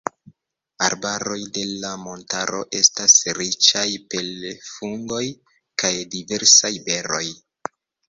Arbaroj de la montaro estas riĉaj per fungoj kaj diversaj beroj.